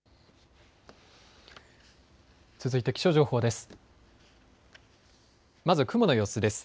続いて気象情報です。